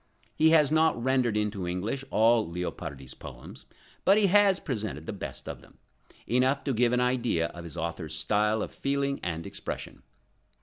He has not rendered into English all Leopardi's poems, but he has presented the best of them, enough to give an idea of his author's style of feeling and expression.